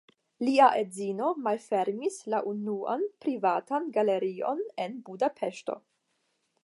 Lia edzino malfermis la unuan privatan galerion en Budapeŝto.